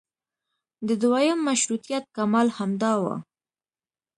د دویم مشروطیت کمال همدا و.